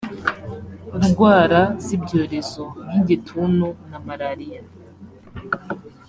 ndwara zibyorezo nk igituntu na malaria